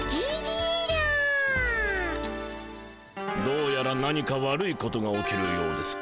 どうやら何か悪いことが起きるようです。